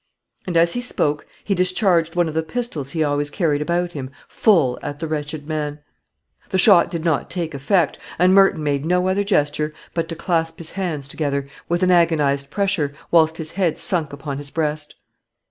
And, as he spoke, he discharged one of the pistols he always carried about him full at the wretched man. The shot did not take effect, and Merton made no other gesture but to clasp his hands together, with an agonized pressure, while his head sunk upon his breast.